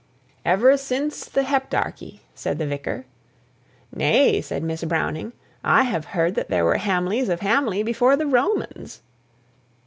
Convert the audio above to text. "Ever since the Heptarchy," said the vicar. "Nay," said Miss Browning, "I have heard that there were Hamleys of Hamley before the Romans."